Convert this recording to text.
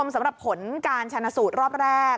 สำหรับผลการชนะสูตรรอบแรก